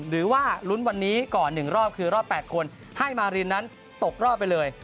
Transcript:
หรือว่าลุ้นวันนี้ก่อน๑รอบคือรอบ๘คนให้มารินนั้นตกรอบไปเลย